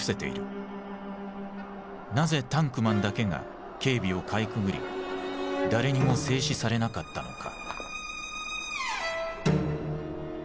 なぜタンクマンだけが警備をかいくぐり誰にも制止されなかったのか。